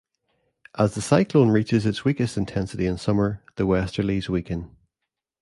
As the cyclone reaches its weakest intensity in summer, the Westerlies weaken.